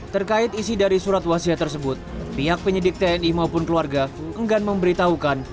terkait isi dari surat wasiat tersebut pihak penyidik tni maupun keluarga enggan memberitahukan